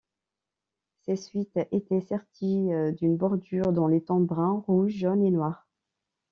Ces suites étaient serties d’une bordure dans les tons bruns, rouges, jaunes et noirs.